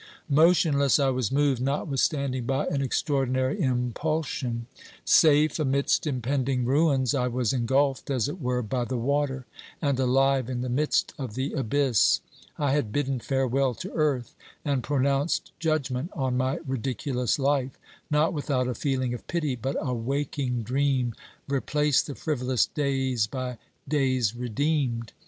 Motionless, I was moved notwithstanding by an extraordinary impulsion. Safe amidst impending ruins, I was engulfed, as it were, by the water, and alive in the midst of the abyss. I had bidden farewell to earth and pronounced judgment on my ridiculous life, not without a feeling of pity, but a waking dream replaced the frivolous days by days redeemed.